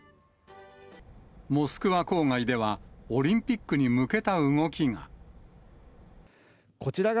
モスクワ郊外では、オリンピックに向けた動きが。